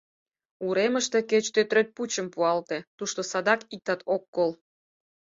Уремыште кеч тӧтрӧт пучым пуалте, тушто садак иктат ок кол.